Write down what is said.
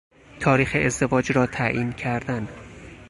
تاریخ ازدواج را تعیین کردن